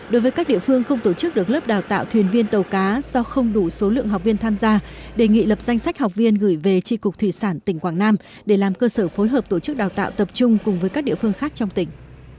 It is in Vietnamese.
đối với các địa phương không tổ chức được lớp đào tạo thuyền viên tàu cá do không đủ số lượng học viên tham gia đề nghị lập danh sách học viên gửi về tri cục thủy sản tỉnh quảng nam để làm cơ sở phối hợp tổ chức đào tạo tập trung cùng với các địa phương khác trong tỉnh